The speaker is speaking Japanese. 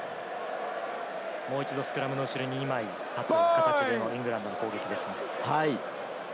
もう一度スクラムの後ろに２枚立つ形のイングランドの攻撃ですね。